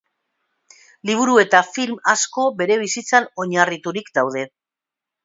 Liburu eta film asko bere bizitzan oinarriturik daude.